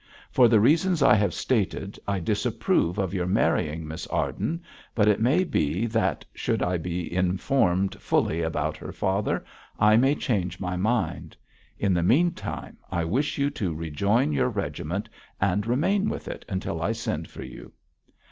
For the reasons I have stated, I disapprove of your marrying Miss Arden, but it may be that, should I be informed fully about her father, I may change my mind. In the meantime, I wish you to rejoin your regiment and remain with it until I send for you.'